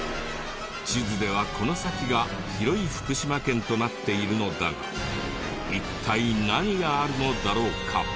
地図ではこの先が広い福島県となっているのだが一体何があるのだろうか？